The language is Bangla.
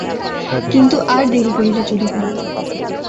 কিন্তু আর দেরি করিলে চলিবে না।